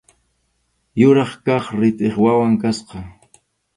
Kuraq kaq ritʼip wawan kasqa.